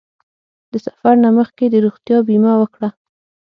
د سفر نه مخکې د روغتیا بیمه وکړه.